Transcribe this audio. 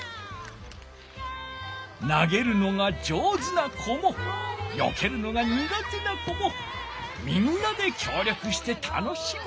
なげるのが上手な子もよけるのがにが手な子もみんなできょう力して楽しむ！